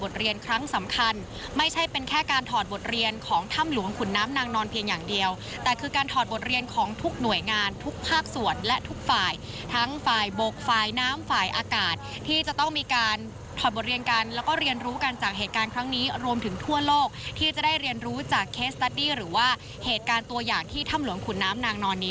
ไม่ใช่เป็นแค่การถอดบทเรียนของถ้ำหลวงขุนน้ำนางนอนเพียงอย่างเดียวแต่คือการถอดบทเรียนของทุกหน่วยงานทุกภาคส่วนและทุกฝ่ายทั้งฝ่ายบกฝ่ายน้ำฝ่ายอากาศที่จะต้องมีการถอดบทเรียนกันแล้วก็เรียนรู้กันจากเหตุการณ์ครั้งนี้รวมถึงทั่วโลกที่จะได้เรียนรู้จากเคสตัดดี้หรือว่าเหตุการณ์ตัวอย่างที่ถ้ำหลวงขุนน้ำนางนอนนี้